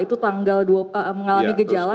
itu mengalami gejala